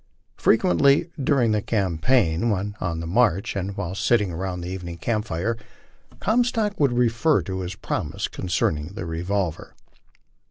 Fre quently during the campaign, when on the march and while sitting around the evening camp fire, Comstock would refer to his promise concerning the revol 100 LIFE ON THE PLAINS. trer.